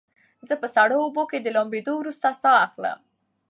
زه په سړو اوبو کې د لامبېدو وروسته ساه اخلم.